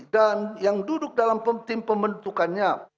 dan yang duduk dalam tim pembentukannya